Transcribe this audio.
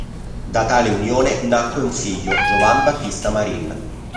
Da tale unione nacque un figlio, Giovan Battista Marin.